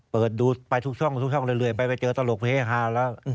เปิดดูไปทุกช่องทุกช่องเรื่อยไปเจอตลกเฮฮาแล้ว